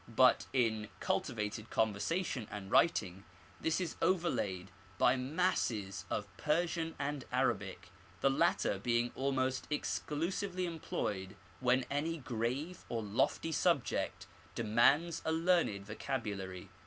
But in cultivated conversation and writing this is overlaid by masses of Persian and Arabic, the latter being almost exclusively employed when any grave or The Arabic Language. 29 lofty subject demands a learned vocabulary.